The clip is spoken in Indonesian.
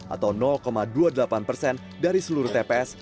atau dua puluh delapan persen dari seluruh tps